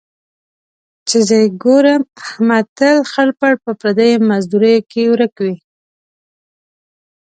چې زه یې ګورم، احمد تل خړ پړ په پردیو مزدوریو کې ورک وي.